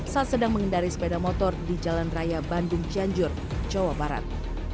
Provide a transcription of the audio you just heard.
saat sedang mengendari sepeda motor di jalan raya bandung cianjur jawa barat